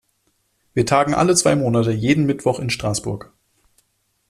Wir tagen alle zwei Monate jeden Mittwoch in Straßburg.